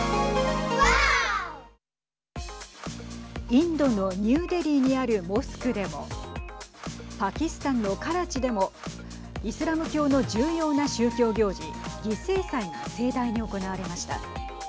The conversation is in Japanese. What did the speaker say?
インドのニューデリーにあるモスクでもパキスタンのカラチでもイスラム教の重要な宗教行事犠牲祭が盛大に行われました。